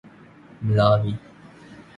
ملاوی